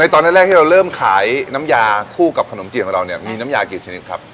ตอนแรกที่เราเริ่มขายน้ำยาคู่กับขนมจีนของเราเนี่ยมีน้ำยากี่ชนิดครับ